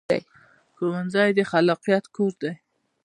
ښوونځی د خلاقیت کور دی